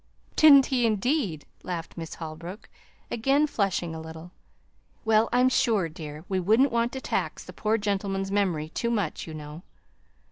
"Didn't he, indeed!" laughed Miss Holbrook, again flushing a little. "Well, I'm sure, dear, we wouldn't want to tax the poor gentleman's memory too much, you know.